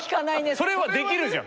それはできるじゃん！